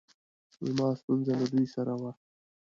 زما ستونره له دوی سره وه